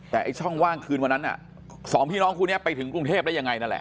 แต่ไอ้ช่องว่างคืนวันนั้นสองพี่น้องคู่นี้ไปถึงกรุงเทพได้ยังไงนั่นแหละ